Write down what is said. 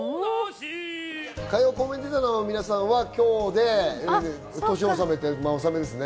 火曜コメンテーターの皆さんは、今日で年納めですね。